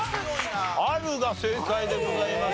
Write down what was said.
あるが正解でございました。